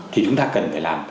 thì chúng ta cần phải làm